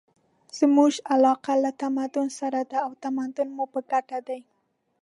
زموږ علاقه له تمدن سره ده او تمدن مو په ګټه دی.